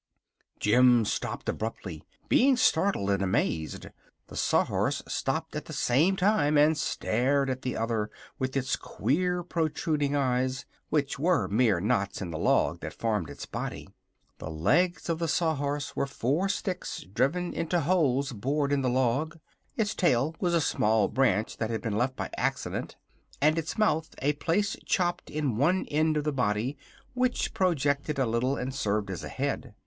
Jim stopped abruptly, being startled and amazed. The Sawhorse stopped at the same time and stared at the other with its queer protruding eyes, which were mere knots in the log that formed its body. The legs of the Sawhorse were four sticks driven into holes bored in the log; its tail was a small branch that had been left by accident and its mouth a place chopped in one end of the body which projected a little and served as a head.